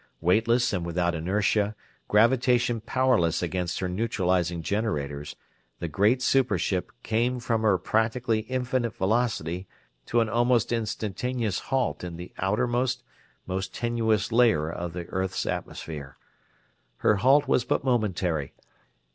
Weightless and without inertia, gravitation powerless against her neutralizing generators, the great super ship came from her practically infinite velocity to an almost instantaneous halt in the outermost, most tenuous layer of the earth's atmosphere. Her halt was but momentary.